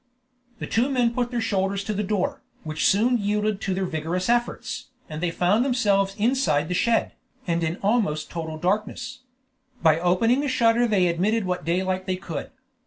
The two men put their shoulders to the door, which soon yielded to their vigorous efforts, and they found themselves inside the shed, and in almost total darkness. By opening a shutter they admitted what daylight they could.